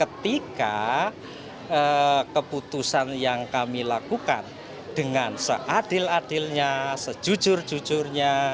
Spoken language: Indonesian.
ketika keputusan yang kami lakukan dengan seadil adilnya sejujur jujurnya